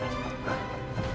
boleh saya bantu